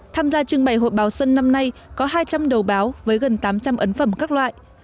tham gia trưng bày hội báo xuân năm nay có hai trăm linh đầu báo với gần tám trăm linh ấn phẩm các loại